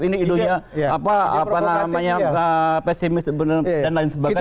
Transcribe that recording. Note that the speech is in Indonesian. ini idunya apa namanya pesimis dan lain sebagainya